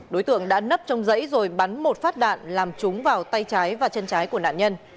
đối tượng đã nấp trong dãy rồi bắn một phát đạn làm chúng vào tay trái và chân trái của nạn nhân